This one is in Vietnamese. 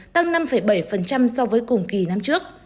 tăng năm bảy so với cùng kỳ năm trước